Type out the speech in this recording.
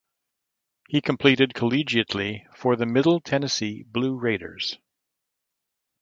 He competed collegiately for the Middle Tennessee Blue Raiders.